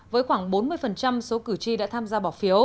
với khoảng bốn mươi số cử tri đã tham gia